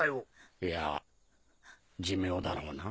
いや寿命だろうな。